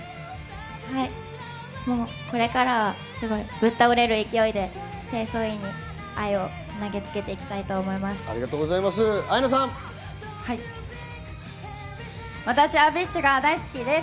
これからはぶっ倒れる勢いで清掃員に愛を投げつけていきたいと思います。